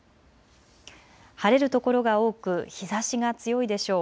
晴れる所が多く日ざしが強いでしょう。